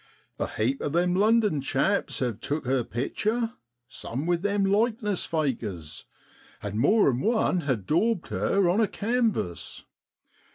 A heap of them London chaps have took her picture, some with them likeness fakers, and more 'an one ha' daubed her on a canvas.